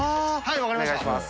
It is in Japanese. お願いします。